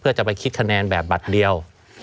เพื่อจะไปคิดคะแนนแบบบัตรเดียว